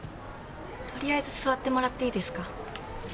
とりあえず座ってもらっていいですか？